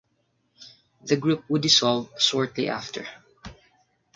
The group would dissolve shortly after.